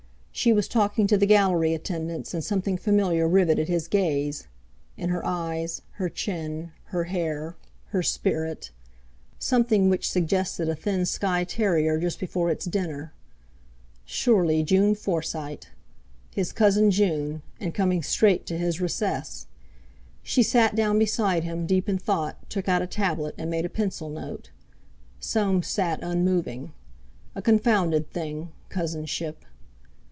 She was talking to the Gallery attendants, and something familiar riveted his gaze—in her eyes, her chin, her hair, her spirit—something which suggested a thin Skye terrier just before its dinner. Surely June Forsyte! His cousin June—and coming straight to his recess! She sat down beside him, deep in thought, took out a tablet, and made a pencil note. Soames sat unmoving. A confounded thing, cousinship!